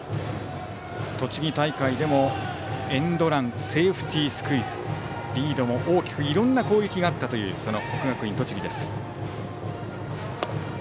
栃木大会でもエンドランセーフティースクイズリードも大きくいろんな攻撃があったという国学院栃木です。